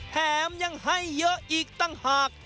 แถมยังให้เยอะอีกต่างหาก